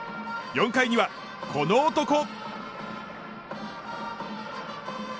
４回には、この男。